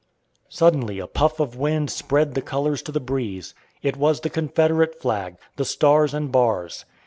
Suddenly a puff of wind spread the colors to the breeze. It was the Confederate flag, the Stars and Bars!